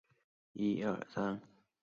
三岛县是越南永福省下辖的一个县。